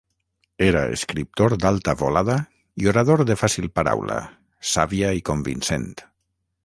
Era escriptor d'alta volada i orador de fàcil paraula, sàvia i convincent.